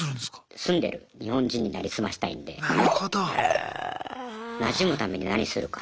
住んでる日本人に成り済ましたいんでなじむために何するか。